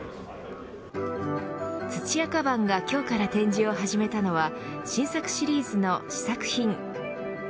土屋鞄が今日から展示を始めたのは新作シリーズの試作品。